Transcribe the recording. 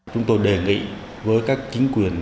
chúng tôi đề nghị với các chính quyền